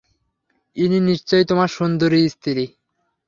ইনি নিশ্চয়ই তোমার সুন্দরী স্ত্রী।